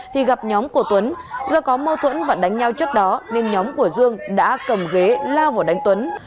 thì gặp nhóm của tuấn do có mâu thuẫn và đánh nhau trước đó nên nhóm của dương đã cầm ghế lao vào đánh tuấn